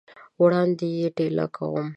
وړاندي یې ټېله کوم !